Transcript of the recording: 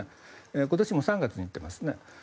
今年も３月に行っていますね。